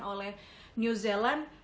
oleh new zealand